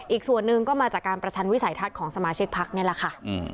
อีกส่วนหนึ่งก็มาจากการประชันวิสัยทัศน์ของสมาชิกพักนี่แหละค่ะ